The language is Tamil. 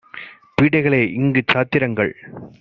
பீடைகளே இங்குச் சாத்திரங்கள்!